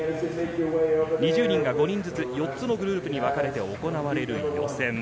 ２０人が５人ずつ、４つのグルーブにわかれて行われる予選。